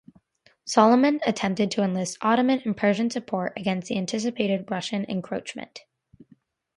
Solomon attempted to enlist Ottoman and Persian support against the anticipated Russian encroachment.